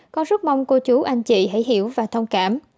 con rất mong cô chú anh chị hãy hiểu và thông cảm